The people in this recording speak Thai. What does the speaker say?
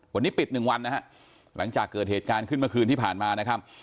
วันนี้ปิดหนึ่งวันนะฮะหลังจากเกิดเหตุการณ์ขึ้นเมื่อคืนที่ผ่านมานะครับ